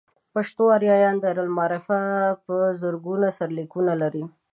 پښتو آریانا دایرة المعارف په زرګونه سرلیکونه لري.